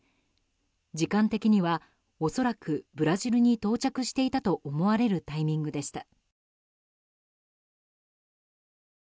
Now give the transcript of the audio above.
時間的には恐らくブラジルに到着していたと思われるタイミングでした。